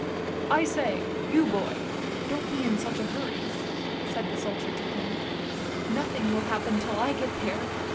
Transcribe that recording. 'I i boy ! Don't be in such a hum"," said the soldier I him Nothing will happen till I get there!